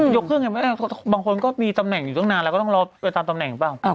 ยกเครื่องไงบางคนก็มีตำแหน่งอยู่ตั้งนานแล้วก็ต้องรอไปตามตำแหน่งเปล่า